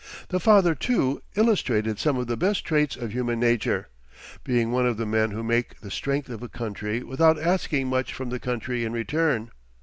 The father, too, illustrated some of the best traits of human nature, being one of the men who make the strength of a country without asking much from the country in return.